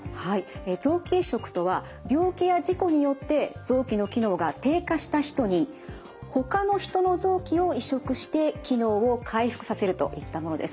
臓器移植とは病気や事故によって臓器の機能が低下した人にほかの人の臓器を移植して機能を回復させるといったものです。